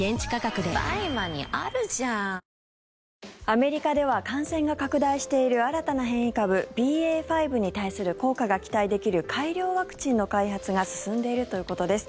アメリカでは感染が拡大している新たな変異株ＢＡ．５に対する効果が期待できる改良ワクチンの開発が進んでいるということです。